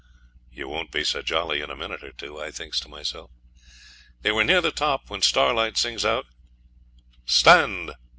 'You won't be so jolly in a minute or two,' I thinks to myself. They were near the top when Starlight sings out, 'Stand!